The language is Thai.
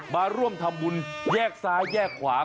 มาร่วมทำบุญแยกซ้ายแยกขวา